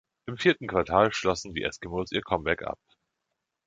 Im vierten Quartal schlossen die Eskimos ihr Comeback ab.